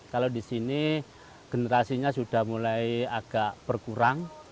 kalau di sini generasinya sudah mulai agak berkurang